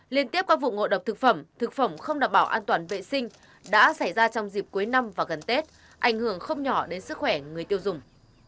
liên tiếp qua vụ ngộ độc thực phẩm thực phẩm không đảm bảo an toàn vệ sinh đã xảy ra trong dịp cuối năm và gần tết ảnh hưởng không nhỏ đến sức khỏe người tiêu dùng